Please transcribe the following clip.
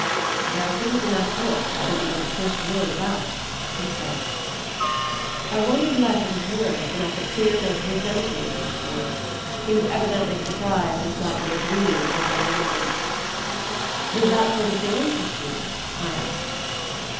"There are things in that book that I didn't know the first word about," he said. I wondered less at his words than at the queer note of resentment in his voice. He was evidently surprised and slightly aggrieved at his own ignorance. "Does that sort of thing interest you?" I asked.